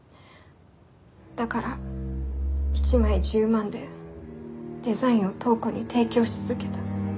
だから一枚１０万でデザインを塔子に提供し続けた。